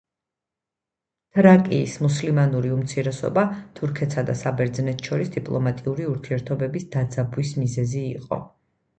თრაკიის მუსლიმანური უმცირესობა თურქეთსა და საბერძნეთს შორის დიპლომატიური ურთიერთობების დაძაბვის მიზეზი იყო.